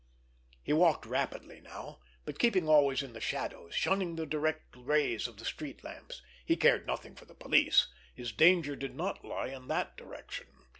He walked rapidly now, but keeping always in the shadows, shunning the direct rays of the street lamps. He cared nothing for the police; his danger did not lie in that direction.